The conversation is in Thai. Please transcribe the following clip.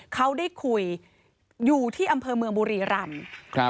เขาได้คุยอยู่ที่อำเภอเมืองบุรีรำ